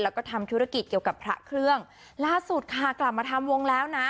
แล้วก็ทำธุรกิจเกี่ยวกับพระเครื่องล่าสุดค่ะกลับมาทำวงแล้วนะ